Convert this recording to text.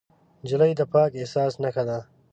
نجلۍ د پاک احساس نښه ده.